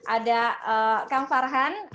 ada kang farhan